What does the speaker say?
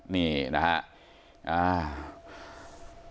นี่นะครับ